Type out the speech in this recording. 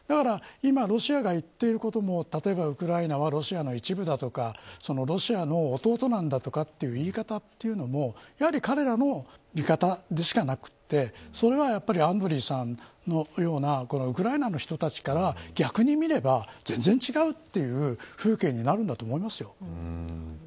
今ロシアがいっていることも例えばウクライナはロシアの一部だとかロシアの弟なんだという言い方というのもやはり彼らの見方でしかなくてそれはやはりアンドリーさんのようなウクライナの人たちから逆に見れば全然違うという風景になると思います。